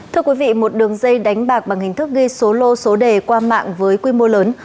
thưa quý vị một đường dây đánh bạc bằng hình thức ghi số lô số đề qua mạng với quy mô lớn